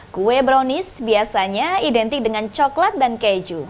kue brownies biasanya identik dengan coklat dan keju